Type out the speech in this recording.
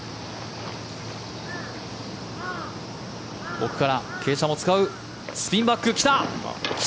奥から傾斜も使うスピンバック来た！